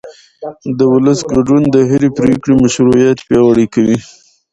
د ولس ګډون د هرې پرېکړې مشروعیت پیاوړی کوي